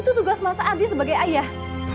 itu tugas masa adi sebagai ayah